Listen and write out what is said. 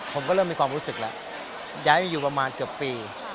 ผมก็เริ่มมีความรู้สึกแล้วย้ายมาอยู่ประมาณเกือบปี